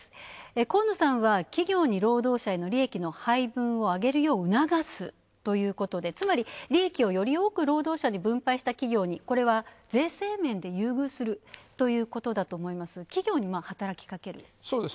河野さんは企業に労働者への利益の配分を上げるよう促すということで、つまり利益をより多く労働者に分配した企業に、これは税制面で優遇するということだと思いますが企業に働きかける？